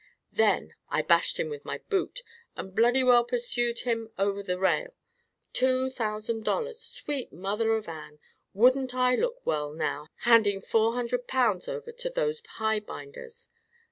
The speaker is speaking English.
"Then I bashed him with my boot, and bloody well pursued him over the rail. Two thousand dollars! Sweet mother of Queen Anne! Wouldn't I look well, now, handing four hundred pounds over to those highbinders?